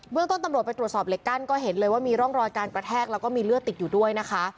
เมืองต้นตำรวจไปตรวจสอบเหล็กกั้นก็เห็นเลยว่ามีร่องรอยการกระแทกแล้วก็มีเลือดติดอยู่ด้วยนะคะ